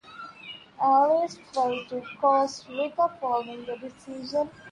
Arias fled to Costa Rica following the decision.